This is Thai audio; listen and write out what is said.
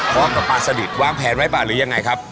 พร้อมกับปลาสลิดวางแผนไว้เปล่าหรือยังไงครับ